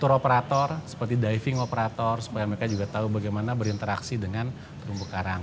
untuk operator seperti diving operator supaya mereka juga tahu bagaimana berinteraksi dengan terumbu karang